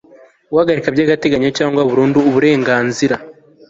guhagarika by'agateganyo cyangwa burundu uburenganzira